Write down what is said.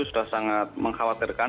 sudah sangat mengkhawatirkan